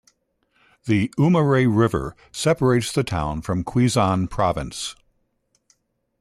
The Umiray River separates the town from Quezon Province.